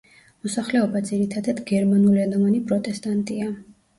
მოსახლეობა ძირითადად გერმანულენოვანი პროტესტანტია.